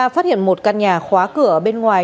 phát hiện một căn nhà khóa cửa bên ngoài